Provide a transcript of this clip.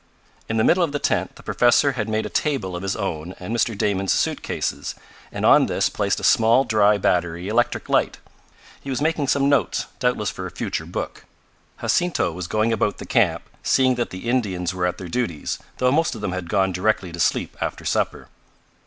In the middle of the tent the professor had made a table of his own and Mr. Damon's suit cases, and on this placed a small dry battery electric light. He was making some notes, doubtless for a future book. Jacinto was going about the camp, seeing that the Indians were at their duties, though most of them had gone directly to sleep after supper.